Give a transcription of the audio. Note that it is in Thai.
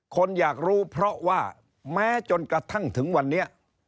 คนอยากรู้เพราะว่าแม้จนกระทั่งถึงวันนี้